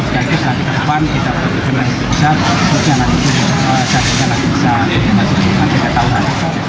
jadi nanti di depan kita berusaha untuk mencantumkan nasi boran